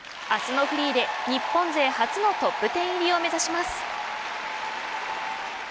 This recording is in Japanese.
明日のフリーで日本勢初のトップ１０入りを目指します。